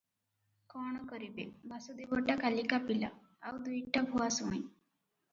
କ’ଣ କରିବେ – ବାସୁଦେବଟା କାଲିକା ପିଲା, ଆଉ ଦୁଇଟା ଭୁଆସୁଣୀ ।